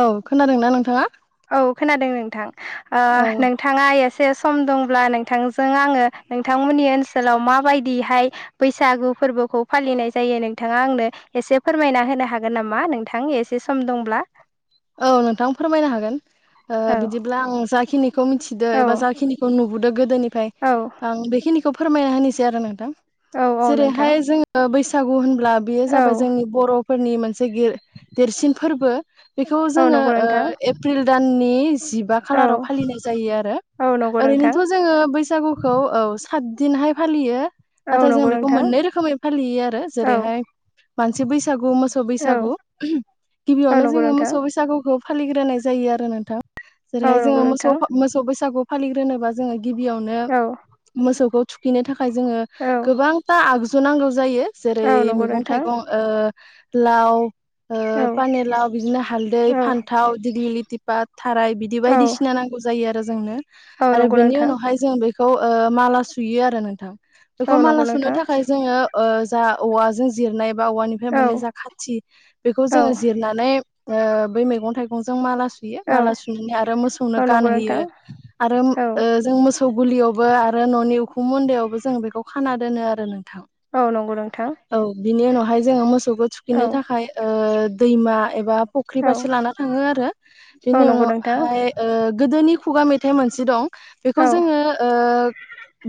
औ खोनादोंना नोंथाङा? औ खोनादों नोंथां ओ औ नोंथाङा एस से सम दंब्ला नोंथांजों आङो नोंथांमोननि ओनसोलाव माबायदिहाय बैसागु फोरबोखौ फालिनाय जायो नोंथाङा आंनो एसे फोरमायना होनो हागोन नामा नोंथां एसे सम दंब्ला [unintelligible] औ नोंथां फोरमायनो हागोन ओ औ बिदिब्ला आं जाखिनि खौ मिथिदो औ एबा जाखिनिखौ नुबोदों गोदोनिफ्राय औ आं बेखिनिखौ फोरमायना होनोसै आरो नोंथां औ औ नोंथां जेरैहाय जोङो बैसागु होनब्ला बेयो औ जाबाय जोंनि बरफोरनि मोन से गिर देरसिन फोरबो बेखौ औ जोङो नंगौ ओ नोंथां एप्रिल दाननि जिबा औ खालाराव फालिनाय जायो आरो औ नंगौ नोंथां ओरैनोथ जोङो बैसागुखौ औ सात दिनहाय फालियो औ नाथाय नंगौ जों बेखौ नोंथां मोननै रोखोमै फालियो आरो औ जेरैहाय मानसि बैसागु मोसौ औ बैसागु औ गिबियावनो नंगौ जोङो नोंथां मोस सौ बैसागुखौ फालिग्रोनाय जायो आरो नोंथां औ जेरैहाय नंगौ जोङो मोसौ नोंथां मोसौ बैसागु फालिग्रोनोबा जोङो गिबियावनो औ मोसौखौ थुखैनो था खाय जोङो औ गोबांथा आगजु नांगौ जायो जेरै औ नंगौ मैगं नोंथां थाइगं ओ लाव ओ औ पानिलाव बिदिनो हालदै औ फान्थाव दिगलि लिथिपात थाराय बिदि औ बायदिसिना नांगौ जायो आरो जोंनो औ आरो नंगौ बेनि नोंथां उनावहाय जों बे खौ ओ माला सुयो आरो नोंथां बेखौ औ नंगौ माला सुनो नोंथां थाखाय जोङो ओ जा औवाजों जिरनाय बा औवानिफ्राय औ मोने जा खाथि बेखौ औ जोङो जिरनानै ओ बै मैगं थाइगं जों माला थुयो माला सुनानै आरो मोसौनो औ नंगौ नोंथां गानहोयो आरो औ ओ जों मोस सौ गुलियावबो आरो ननि उखुम मुन्दायावबो जों बेखौ खाना दोनो आरो नों थां औ नंगौ नोंथां औ बिनि उनावहाय जोङो मोसौखौ औ थुखैनो थाखाय ओ दैमा एबा फुख्रि औ फारसे लाना थाङो आरो औ बेनि नंगौ नोंथां उनावहाय ओ गोदोनि खुगा मेथाइ मोनसे दं बेखौ औ जोङो ओ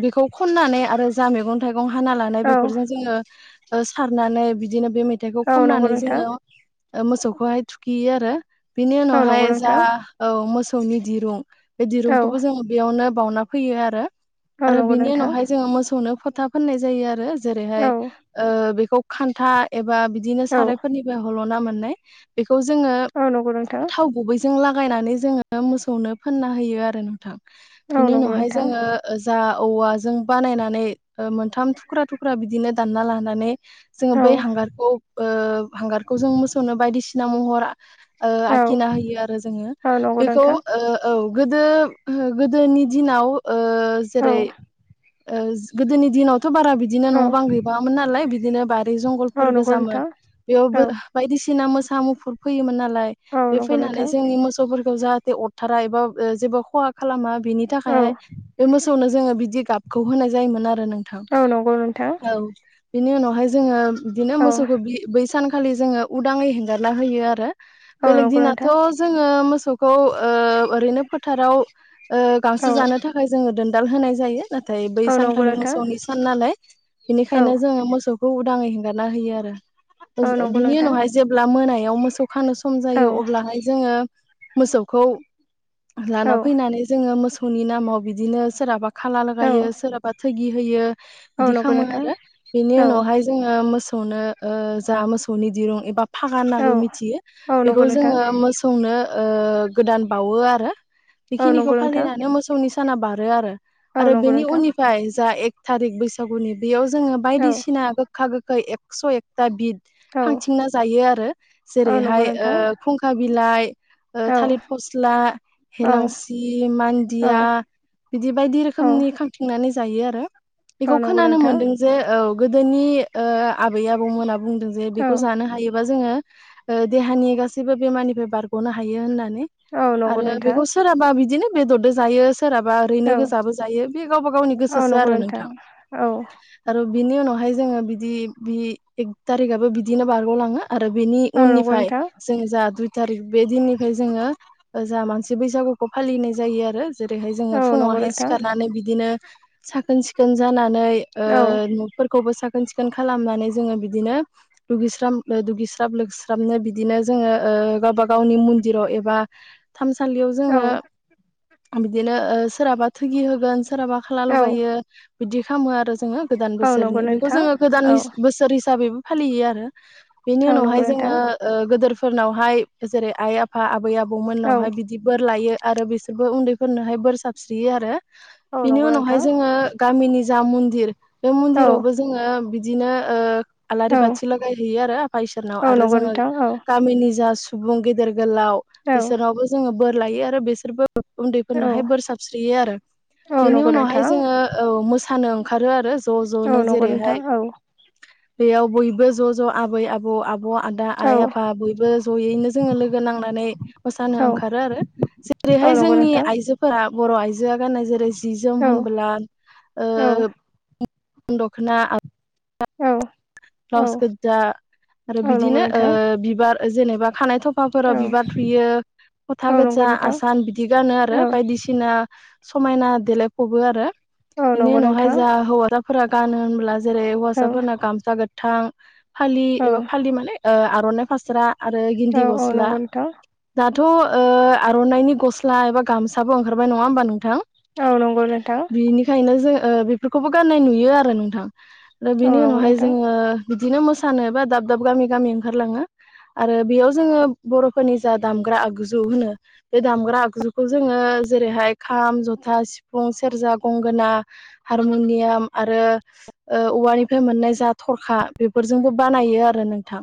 बेखौ खननानै आरो जा मेगं थाइ गं हाना लानाय औ बेफोरजों जोङो ओ सारनानै बिदिनो बे मेथाइखौ औ नंगौ खननानै नोंथां जोङो ओ मोसौखौहाय थुखैयो आरो बिनि औ उनावहाय नंगौ जा नोंथां औ मोसौनि दिरुं बे औ दिरुंखौबो जोङो बेयावनो बावना फैयो आरो औ आरो नंगौ बिनि नोंथां उनावहाय जोङो मोसौनो फोथा फोननाय जायो आरो जेरैहाय औ ओ बेखौ खान्था एबा बिदिनो औ सारायफोरनिबो हल ना मोन नाय बेखौ जोङो औ नंगौ नोंथां थाव गुबैजों लाख गायनानै जोङो मोसौनो फोनना होयो आरो नोंथां औ बिनि नंगौ उनावहाय नोंथां जोङो जा औवाजों बानायनानै ओ मोनथाम थुख्रा थुख्रा बिदिनो दानना लानानै जोङो औ बै हांगारखौ ओ हांगारखौ जों मोसौनो बायदिसिना महर आ ओ औ आखिना होयो आरो जोङो औ नंगौ बेखौ नोंथां ओ औ गोदो गोदोनि दिनाव ओ औ जेरै ओ गोदोनि दिनाव थ' बारा बिदिनो औ न' बां गैबाङामोन नालाय बिदिनो बारि औ जंगलफोर नंगौ गोजामोन नोंथां औ बेयावबो बायदिसिना मोसा मुफुर फैयोमोन नालाय औ बे नंगौ फैनानै नोंथां जोंनि मोसौफोरखौ जा अरथारा एबा जेबो खहा खालामा बिनि औ थाखायहाय बे मोसौनो जोङो बि दि गाबखौ होनाय जायोमोन आरो नोंथां औ नंगौ नोंथां औ बिनि उनावहाय जोङो बिदिनो औ मोसौखौ बि बै सानखालि जोङो उदाङै हेंगारला होयो आरो औ बेलेग नंगौ दिनाथ' नोंथां जोङो मोसौखौ ओ ओरैनो फोथाराव ओ गांसो औ जानो थाखाय जोङो दोनदाल होनाय जायो नाथाय बै औ नंगौ सानखालि नोंथां औ मोसौनि सान नालाय बिनिखायनो जोङो मोसौ खौ उदाङै हेंगारना होयो आरो औ नंगौ बिनि नोंथां उनावहाय जेब्ला मोनायाव मोसौ खानो सम औ जायो अब्लाहाय जोङो मोसौखौ औ लाना फैनानै जोङो मोसौनि नामाव बिदिनो सोरहाबा खाला औ लगायो सोरहाबा थोगि होयो औ बिदि नंगौ खालामो नोंथां आरो बिनि औ उनावहाय जोङो मो मोसौनो जा मोसौनि दिरुं एबा फागा होननाबो औ मिथियो औ नंगौ बेखौ नोंथां जोङो मोसौनो गोदान बावो आरो औ बेखिनिखौ नंगौ नोंथां फालिनानै मोसौनि साना बारो आरो औ आरो नंगौ बेनि नोंथां उननिफ्राय जा थारिक बैसागुनि बेयाव जोङो औ बायदिसिना गोखा गोखै एकस' एकथा बिद औ खांथिंना जायो आरो औ नंगौ जेरैहाय ओ नोंथां खुंखा बिलाइ औ थालिर फस्ला औ हेलांसि औ मान्दिया बिदि बायदि औ रोखोमनि खांथिंनानै जायो आरो औ बेखौ नंगौ खोनानो नोंथां मोनदों जे औ गोदोनि ओ आबै आबौमोना बुंदों जे औ बेखौ जानो हायो बा जोङो ओ देहानि गासैबो बेमारनिफ्राय बारग'नो हायो होननानै औ नंगौ आरो नोंथां बेखौ सोराबा बिदिनो बेदरजों जायो सोरहाबा औ ओरैनो गोजाबो जायो बे गावबा गावनि औ गोसोसो नंगौ आरो नोंथां औ आरो बिनि उनावहाय जोङो बिदि बि एक थारिखाबो बिदिनो बारग'लाङो आरो बेनि औ नंगौ उननिफ्राय नोंथां जोङो जा दुइ थारिख बे दिननिफ्राय जोङो जा मानसि बैसागुखौ फालिनाय जायो आरो जेरैहाय जोङो औ नंगौ फुङावहाय नोंथां सिखारनानै बिदिनो साखोन सिखोन जाना -नै औ न'फोरखौबो साखोन सिखोन खालामनानै जोङो बिदिनो दुगैस्रां दुगिस्राब लोबस्राबनो बिदिनो जोङो गावबा गावनि मन्दिराव एबा थानसालियाव औ जोङो बिदिनो सोरहाबा थोगि होगोन सोरहाबा खाला औ लगायो बिदि खामो आरो जोङो गोदान औ नंगौ बोसोरनि बेखौ नोंथां जोङो गोदान औ बोसोर हिसाबैबो फालियो आरो बेनि औ उनावहाय नंगौ नोंथां जोङो गोदोरफोरनावहाय जेरै आइ आफा आबै आबौ आबौ औ मोननावहाय बिदि बोर लायो आरो बिसोरबो उन्दैफोरनोहाय बोर साबस्रियो आरो औ बिनि नंगौ उनावहाय नोंथां जोङो गामिनि जा मन्दिर बे औ मन्दिरावबो जोङो बिदिनो आलारि औ बाथि लागायहैयो आरो नाव औ आरो नंगौ जोङो नोंथां औ गामिनि जा सुबुं गेदेर गोलाव बिसोरनावबो जोङो बोर लायो आरो बिसोरबो औ उन्दैफोरनोहाय बोर साबस्रियो आरो औ बेनि नंगौ उनावहाय नोंथां जोङो ओ मो -सानो ओंखारो आरो ज' औ ज'नो नंगौ नोंथां जेरैहाय औ बेयाव बयबो ज' ज' आबै आबौ आब' आदा आइ औ आफा औ बयबो ज'यैनो जोङो लोगो नांनानै मोसानो ओंखारो आरो जेरैहाय औ नंगौ जोंनि नोंथां आइजोफोरा बर' आइजोआ गाननाय जेरै जि जोम औ होनबोला ओ औ दखना औ औ ब्लाउस गोजा आरो औ नंगौ बिदिनो नोंथां बिबार जेनेबा खानाय औ थफाफोराव बिबार थुयो फथा औ नंगौ गोजा नोंथां आसान बिदि गानो आरो औ बायदिसिना समायना देलायफबो आरो औ बेनि नंगौ उनावहाय नोंथां जा हौवासाफोरा गानो होनब्ला जेरै औ हौवासाफोरना गामसा गोथां फालि औ एबा फालि माने आर'नाइ फास्रा आरो गिन्दि औ औ गस्ला नंगौ नोंथां दा थ' आर'नाइनि गस्ला एबा गामसाबो ओंखारबाय नङा होमबा नोंथां? औ नंगौ नोंथां बिनिखायनो जों ओ बेफोरखौबो गाननाय नुयो आरो नोंथां दा औ बेनि नंगौ उनावहाय नोंथां जोङो ओ बिदिनो मोसानो बा दाब दाब गामि गामि ओंखारलाङो आरो बेयाव जोङो बर'फोरनि जा दामग्रा आगजु होनो बे दामग्रा आगजुखौ जोङो जेरैहाय खाम जथा सिफुं सेरजा गंगोना हारमुनियाम आरो ओ उवानिफ्राय मोननाय जा थरखा बेफोरजोंबो बानायो आरो नोंथां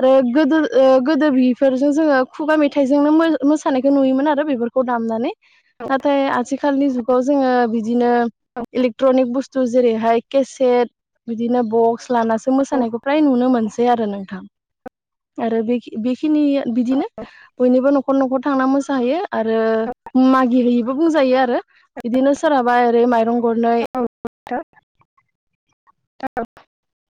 आरो गोदो ओ गोदो बिफोरजों जोङो ओ खुगा मेथाइजोंनो मो मोसानायखौ नुयोमोन आरो बेफोरखौ दामनानै नाथाय आथिखालनि जुगाव जोङो बिदिनो औ इलेकट्रनिक बुस्थु जेरैहाय केसेट बिदिनो बक्स लानासो मोसानायखौ प्राय नुनो मोनसै आरो नोंथां आरो बेखि बेखिनि बिदिनो बयनिबो न'ख न'खर न'खर थांना मोसाहैयो आरो मागि हैयोबो बुंजायो आरो इदिनो सोरहाबा ओरै माइरं गरनै [unintelligible]